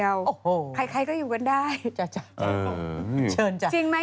อย่ากลัวไปยิงเขานะไม่ใช่ไง